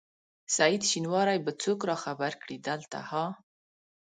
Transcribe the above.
سعید شېنواری به څوک راخبر کړي دلته ها؟